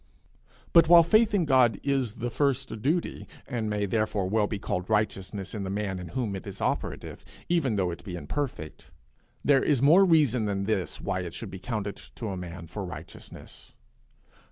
But while faith in God is the first duty, and may therefore well be called righteousness in the man in whom it is operative, even though it be imperfect, there is more reason than this why it should be counted to a man for righteousness.